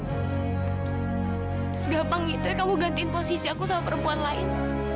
segampang gitu ya kamu gantiin posisi aku sama perempuan lain